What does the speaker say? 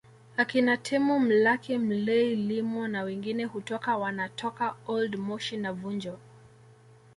Akina Temu Mlaki Mlay Lyimo na wengine hutoka wanatoka Old Moshi na Vunjo